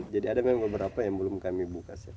jadi ada memang beberapa yang belum kami buka sih